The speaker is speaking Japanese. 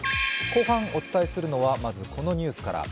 後半お伝えするのは、まずこのニュースから。